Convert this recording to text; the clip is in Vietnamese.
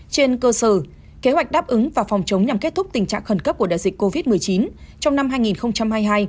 trên cơ sở kế hoạch đáp ứng và phòng chống nhằm kết thúc tình trạng khẩn cấp của đại dịch covid một mươi chín trong năm hai nghìn hai mươi hai